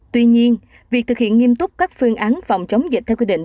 tuy nhiên việc thực hiện nghiêm túc các phương án phòng chống dịch theo quy định